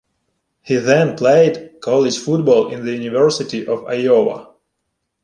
He then played college football at the University of Iowa.